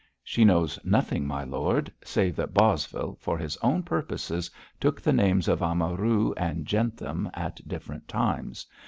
'She knows nothing, my lord, save that Bosvile, for his own purposes, took the names of Amaru and Jentham at different times.